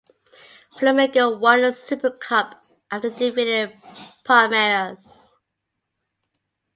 Flamengo won the super cup after defeating Palmeiras.